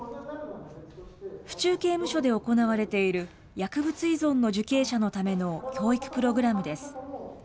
府中刑務所で行われている、薬物依存の受刑者のための教育プログラムです。